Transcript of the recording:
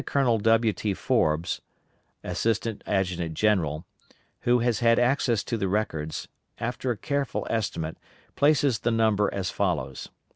Colonel W. T. Forbes, Assistant Adjutant General, who has had access to the records, after a careful estimate, places the number as follows.